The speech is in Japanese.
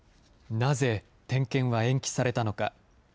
なぜ点検は延期されたのか。